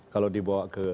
kalau dibawa ke